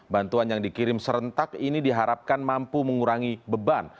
bantuan yang dikirim serentak ini diharapkan mampu mengurangi beban